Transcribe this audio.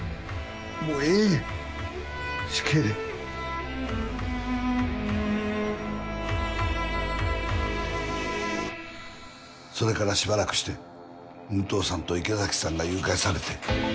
もうええ死刑でそれからしばらくして武藤さんと池崎さんが誘拐されて。